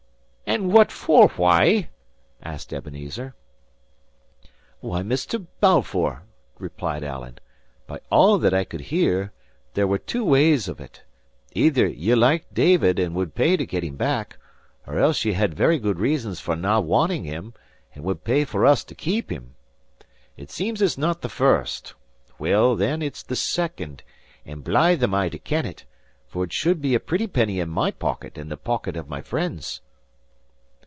"And what for why?" asked Ebenezer. "Why, Mr. Balfour," replied Alan, "by all that I could hear, there were two ways of it: either ye liked David and would pay to get him back; or else ye had very good reasons for not wanting him, and would pay for us to keep him. It seems it's not the first; well then, it's the second; and blythe am I to ken it, for it should be a pretty penny in my pocket and the pockets of my friends."